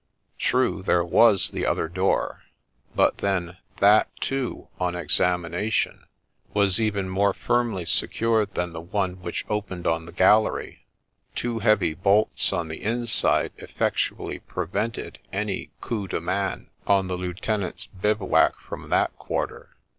True, there was the * other door '; but then that, too, on examination, was even more firmly secured than the one which opened on the gallery, — two heavy bolts on the inside effectually prevented any coup de main on the lieutenant's bivouac from that quarter.